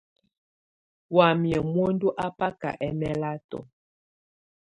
Wamɛ̀á muǝndù à baká ɛmɛlatɔ̀.